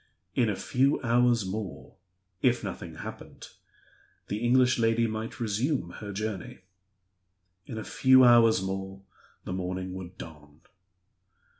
In a few hours more (if nothing happened) the English lady might resume her journey. In a few hours more the morning would dawn.